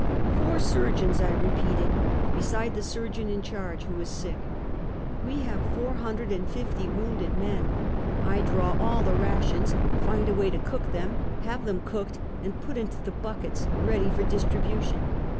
"Four surgeons!" I repeated, "beside the surgeon in charge, who is sick! We have four hundred and 350 Half a Centuey. fifty wounded men ! I draw all the rations, find a way to cook them, have them cooked and put into the buckets, ready for distribution.